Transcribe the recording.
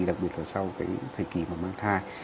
đặc biệt là sau cái thời kỳ mà mang thai